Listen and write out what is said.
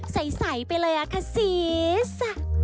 ใสไปเลยอะค่ะซีส